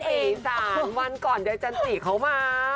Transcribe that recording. ๓ปี๓วันก่อนเดี๋ยวจันตรีเค้ามา